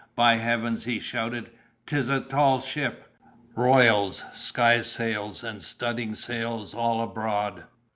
By Heaven!" he shouted, "'tis a tall ship! Royals, sky sails, and studding sails all abroad!